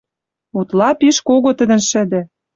Утла пиш кого тӹдӹн шӹдӹ